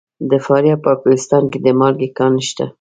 د فاریاب په کوهستان کې د مالګې کان شته.